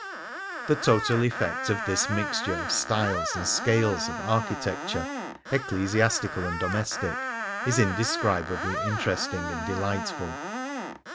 The total effect of this mixture of styles and scales of architecture, ecclesiastical and domestic, is indescribably interesting and de lightful.